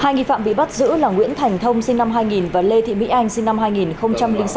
hai nghi phạm bị bắt giữ là nguyễn thành thông sinh năm hai nghìn và lê thị mỹ anh sinh năm hai nghìn sáu